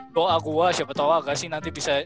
doa gue siapa tau agassi nanti bisa